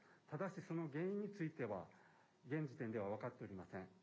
ただし、その原因については、現時点では分かっておりません。